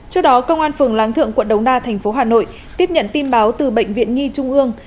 trước đó công an phường láng thượng quận đống đa thành phố hà nội tiếp nhận tin báo từ bệnh viện nhi trung ương